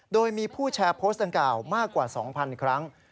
โดยมีผู้แชร์โพสต์ดังกล่าวมากกว่า๒๐๐๐ครั้ง